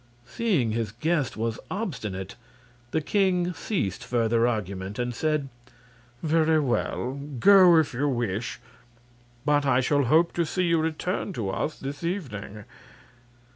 Seeing his guest was obstinate the king ceased further argument and said: "Very well; go if you wish. But I shall hope to see you return to us this evening."